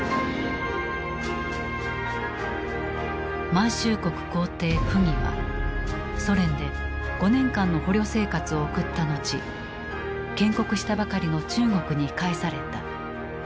満州国皇帝溥儀はソ連で５年間の捕虜生活を送ったのち建国したばかりの中国に帰された。